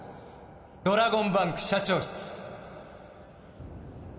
ドラゴンバンク社長室